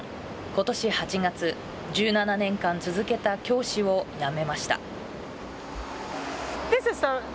ことし８月、１７年間続けた教師を辞めました。